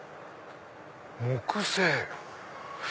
木製！